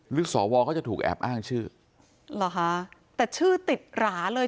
หรือสอวรรค์ก็จะถูกแอบอ้างชื่อหรอค่ะแต่ชื่อติดหราเลย